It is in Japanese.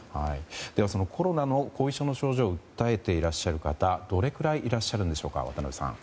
では、コロナの後遺症を訴えていらっしゃる方どれくらいいらっしゃるんでしょうか。